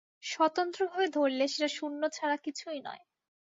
স্বতন্ত্রভাবে ধরলে সেটা শূন্য ছাড়া কিছুই নয়।